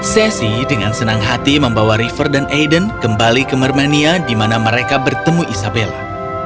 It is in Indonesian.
sesi dengan senang hati membawa river dan aiden kembali ke mermenia di mana mereka bertemu isabella